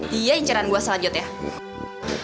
dia inceran gue selanjutnya